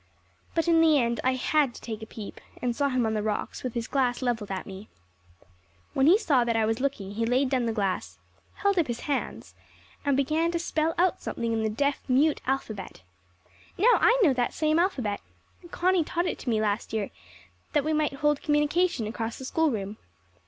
But in the end I had to take a peep, and saw him on the rocks with his glass levelled at me. When he saw that I was looking he laid down the glass, held up his hands, and began to spell out something in the deaf mute alphabet. Now, I know that same alphabet. Connie taught it to me last year, so that we might hold communication across the schoolroom.